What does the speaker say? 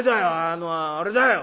あのあれだよ！